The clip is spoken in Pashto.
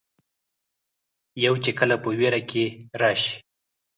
يو چې کله پۀ وېره کښې راشي